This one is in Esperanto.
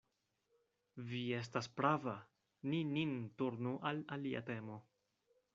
Vi estas prava: ni nin turnu al alia temo.